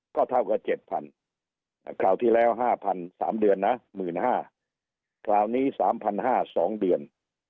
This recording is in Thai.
ก็เท่ากับ๗๐๐คราวที่แล้ว๕๐๐๓เดือนนะ๑๕๐๐คราวนี้๓๕๐๐๒เดือน